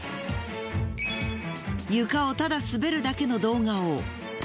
床をただ滑るだけの動画を。